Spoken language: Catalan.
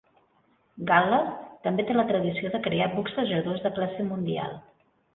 Gal·les també té la tradició de crear boxejadors de classe mundial.